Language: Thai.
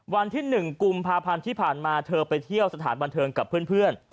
วันที่๑กุมภาพันธ์ที่ผ่านมาเธอไปเที่ยวสถานบันเทิงกับเพื่อน